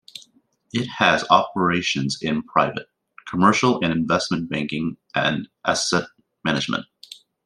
It has operations in private, commercial and investment banking and asset management.